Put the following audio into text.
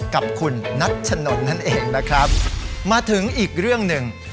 กับคุณนัชนนนั่นเองนะครับมาถึงอีกเรื่องหนึ่ง